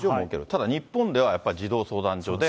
ただ、日本ではやっぱり児童相談所で。